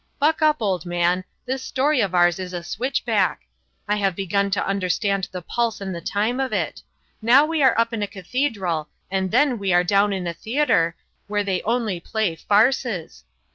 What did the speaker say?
Buck up, old man, this story of ours is a switchback. I have begun to understand the pulse and the time of it; now we are up in a cathedral and then we are down in a theatre, where they only play farces.